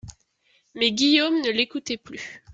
Mais Guillaume ne l'écoutait plus.